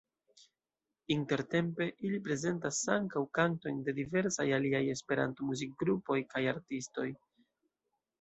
Intertempe ili prezentas ankaŭ kantojn de diversaj aliaj Esperanto-muzikgrupoj kaj -artistoj.